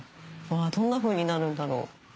どんなふうになるんだろう？